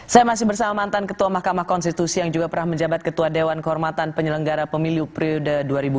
saya masih bersama mantan ketua mahkamah konstitusi yang juga pernah menjabat ketua dewan kehormatan penyelenggara pemilu periode dua ribu sembilan belas dua ribu dua